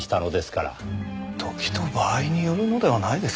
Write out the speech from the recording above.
時と場合によるのではないですか？